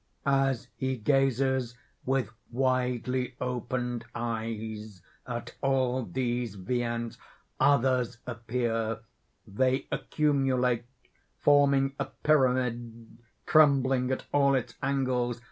_ _As he gazes with widely opened eyes at all these viands, others appear; they accumulate, forming a pyramid crumbling at all its angles.